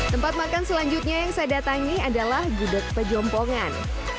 tempat makan selanjutnya yang saya datangi adalah gudeg pejompongan